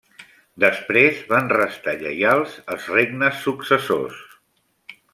Després van restar lleials als regnes successors.